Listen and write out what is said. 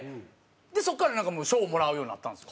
そこから賞をもらうようになったんですよ。